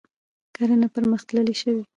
کرنه پرمختللې شوې.